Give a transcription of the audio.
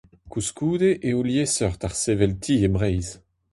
Koulskoude eo liesseurt ar sevel ti e Breizh.